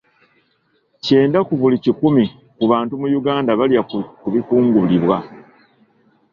Kyenda ku buli kikumu ku bantu mu Uganda balya ku bikungulibwa.